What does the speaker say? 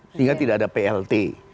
sehingga tidak ada plt